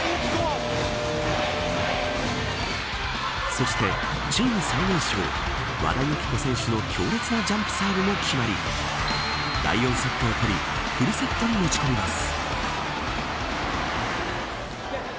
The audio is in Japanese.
そして、チーム最年少和田由紀子選手の強烈なジャンプサーブも決まり第４セットを取りフルセットにもち込みます。